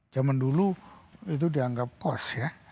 jaman dulu itu dianggap cost ya